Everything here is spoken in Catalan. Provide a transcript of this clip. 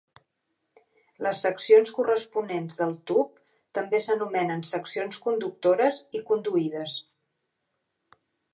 Les seccions corresponents del tub també s'anomenen seccions conductores i conduïdes.